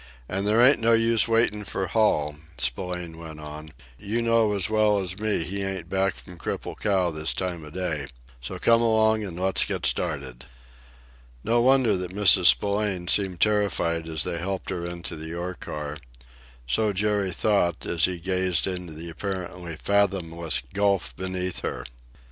"And there ain't no use waitin' for Hall," Spillane went on. "You know as well as me he ain't back from Cripple Cow this time of day! So come along and let's get started." No wonder that Mrs. Spillane seemed terrified as they helped her into the ore car so Jerry thought, as he gazed into the apparently fathomless gulf beneath her.